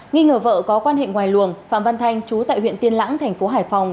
nghi ngờ vợ có quan hệ ngoài luồng phạm văn thanh chú tại huyện tiên lãng thành phố hải phòng